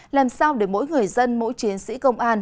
làm sao để mỗi người dân mỗi chiến sĩ công an